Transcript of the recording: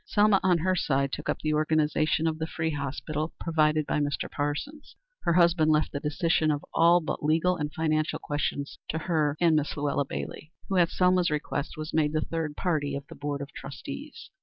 Selma, on her side, took up the organization of the Free Hospital provided by Mr. Parsons. Her husband left the decision of all but legal and financial questions to her and Miss Luella Bailey, who, at Selma's request, was made the third member of the board of trustees.